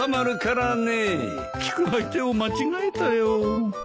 聞く相手を間違えたよ。